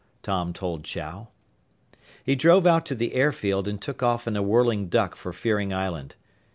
Tom told Chow. He drove out to the airfield and took off in a Whirling Duck for Fearing Island.